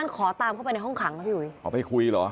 นี่นะขอไปคุยเหรอ